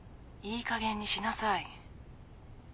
いいかげんにしなさい。